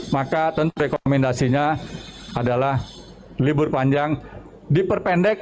maka tentu rekomendasinya adalah libur panjang diperpendek